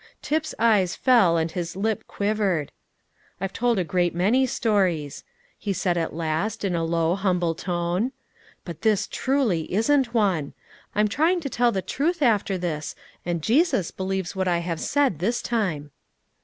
Tip's eyes fell and his lip quivered. "I've told a great many stories," he said at last, in a low, humble tone; "but this truly isn't one. I'm trying to tell the truth after this, and Jesus believes what I have said this time."